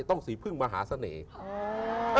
ต้องฝึกมาหาเสน่ห์